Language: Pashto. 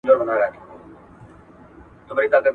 چا په نيمه شپه كي غوښتله ښكارونه!